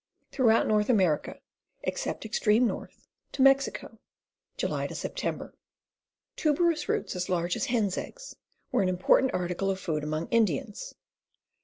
Throughout North America, except extreme north, to Mexico. July Sep. Tuberous roots as large as hens' eggs, were an important article of food among Indians.